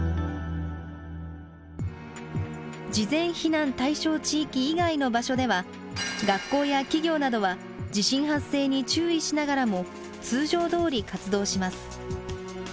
事前避難対象地域以外の場所では学校や企業などは地震発生に注意しながらも通常どおり活動します。